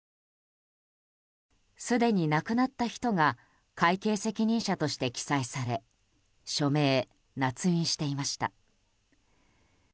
すでに亡くなった人が会計責任者として記載され署名・捺印していました。